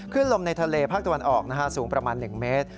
ลมในทะเลภาคตะวันออกสูงประมาณ๑เมตร